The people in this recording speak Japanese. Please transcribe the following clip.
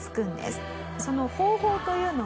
その方法というのが。